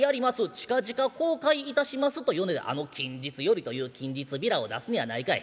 近々公開いたします』というのであの『近日より』という近日ビラを出すのやないかい。